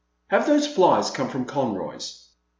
Have those flies come from Conroy's